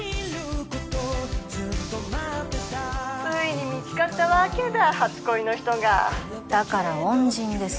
ついに見つかったわけだ初恋の人がだから恩人です